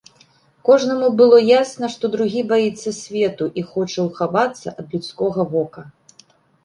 Кожнаму было ясна, што другі баіцца свету і хоча ўхавацца ад людскога вока.